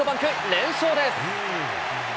連勝です。